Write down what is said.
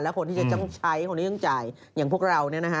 คนที่จะต้องใช้คนที่ต้องจ่ายอย่างพวกเรา